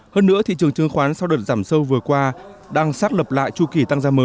hơn nữa thị trường chương khoán sau đợt giảm sâu vừa qua đang sát lập lại chu kỳ